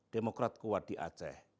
demokrat kuat di aceh